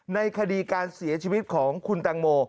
ในคดีการเสียชีวิตของคุณตังโม